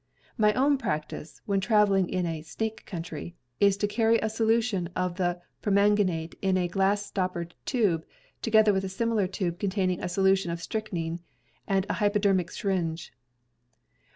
My own practice, when traveling in a "snake country," is to carry a solution of the permanganate in a glass stoppered tube, together with a similar tube containing a solution of strychnin, and a hypodermic syringe.